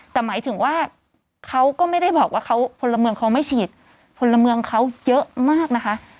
แต่หมายถึงว่าเขาก็ไม่ได้บอกว่าเขาพลเมืองเขาไม่ฉีดพลเมืองเขาเยอะมากนะคะ